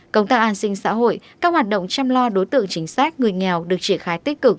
công tác an sinh xã hội các hoạt động chăm lo đối tượng chính sách người nghèo được triển khai tích cực